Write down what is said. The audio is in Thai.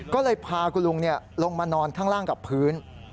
ก็เลยพาคุณลุงลงมานอนข้างล่างกับพื้น